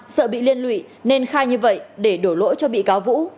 sợ bị liên lụy nên khai như vậy để đổ lỗi cho bị cáo vũ